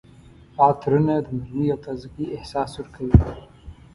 عطرونه د نرمۍ او تازګۍ احساس ورکوي.